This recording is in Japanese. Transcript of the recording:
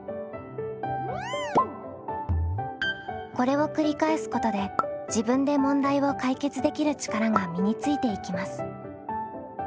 これを繰り返すことで自分で問題を解決できる力が身についていきます。